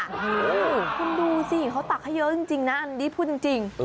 คุณดูสิเขาตักให้เยอะจริงนะอันนี้พูดจริง